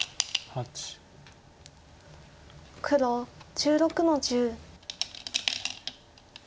黒１６の十。